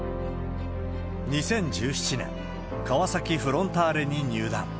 ２０１７年、川崎フロンターレに入団。